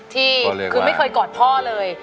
ที่คือไม่เคยกอดพ่อเลย